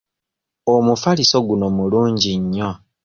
Omufaliso guno mulungi nnyo.